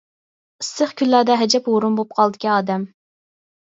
ئىسسىق كۈنلەردە ئەجەب ھۇرۇن بولۇپ قالىدىكەن ئادەم.